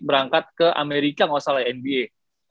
berangkat ke amerika gak salah ya nba